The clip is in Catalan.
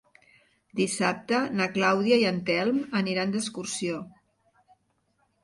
Dissabte na Clàudia i en Telm aniran d'excursió.